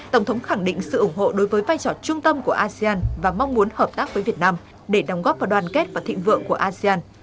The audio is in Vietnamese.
tổng thống khẳng định sự ủng hộ đối với vai trò trung tâm của asean và mong muốn hợp tác với việt nam để đóng góp vào đoàn kết và thịnh vượng của asean